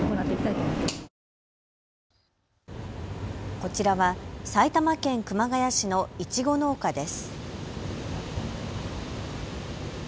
こちらは埼玉県熊谷市のいちご農家です。